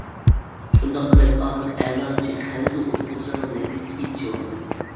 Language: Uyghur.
شۇنداق قىلىپ، ئاخىر، ئەلاچى خەنزۇ ئوقۇغۇچىلارنىڭ نەتىجىسىگە يېتىشىۋالدىم.